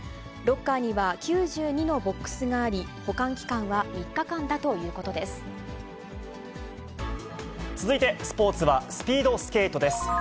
ロッカーには９２のボックスがあり、保管期間は３日間だというこ続いてスポーツは、スピードスケートです。